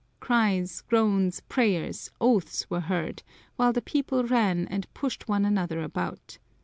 Cries, groans, prayers, oaths were heard, while the people ran and pushed one another about.